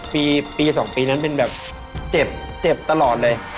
ปี๒ปีนั้นเป็นแบบเจ็บเจ็บตลอดเลย